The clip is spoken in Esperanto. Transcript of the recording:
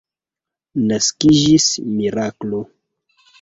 Naskiĝis miraklo.